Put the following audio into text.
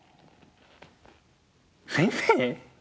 先生！？